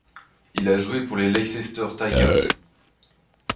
Il a joué pour les Leicester Tigers.